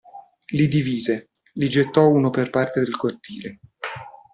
Li divise, li gettò uno per parte del cortile.